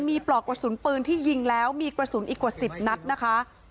มีปลอกกระสุนปืนที่ยิงแล้วมีกระสุนอีกกว่า๑๐นัดนะคะ